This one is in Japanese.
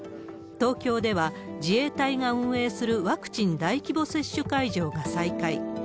東京では、自衛隊が運営するワクチン大規模接種会場が再開。